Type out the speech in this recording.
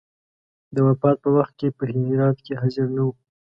د وفات په وخت کې په هرات کې حاضر نه وو.